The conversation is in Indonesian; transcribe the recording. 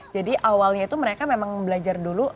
jadi awalnya itu mereka memang belajar dulu